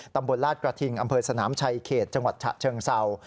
ตลาดกระทิงอำเภอสนามชัยเขตจังหวัดฉะเชิงเศร้า